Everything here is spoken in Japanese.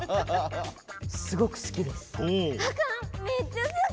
すごくすきです。